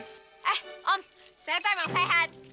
eh om saya tuh emang sehat